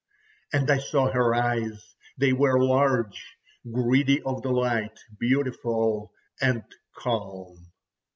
And I saw her eyes. They were large, greedy of the light, beautiful and calm.